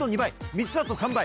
３つだと３倍！